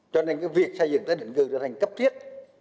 cho nên cái việc xây dựng thái định cư trở thành cấp thiết